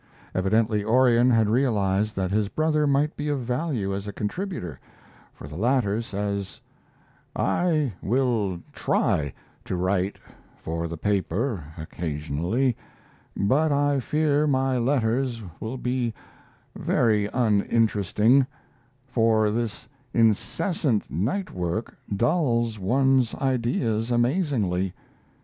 Evidently Orion had realized that his brother might be of value as a contributor, for the latter says: I will try to write for the paper occasionally, but I fear my letters will be very uninteresting, for this incessant night work dulls one's ideas amazingly....